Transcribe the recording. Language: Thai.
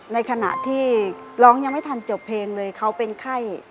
ในขณะที่ร้องยังไม่ทันจบเพลงเลยเขาเป็นไข้